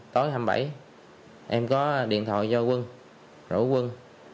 tối hai mươi bảy em có điện thoại do quân rủ quân